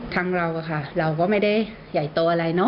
ทั้งเราก็ไม่ได้ใหญ่โตอะไร